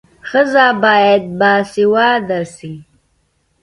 ښځه باید باسواده سي.